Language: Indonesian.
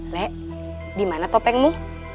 lek dimana topengmu